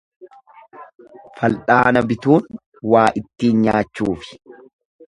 Fal'aana bituun waa ittin nyaachuufi.